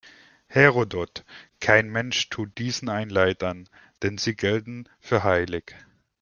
Herodot: „Kein Mensch tut diesen ein Leid an, denn sie gelten für heilig.